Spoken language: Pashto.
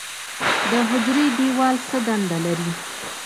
د حجرې دیوال څه دنده لري؟